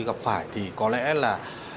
gặp phải thì có lẽ là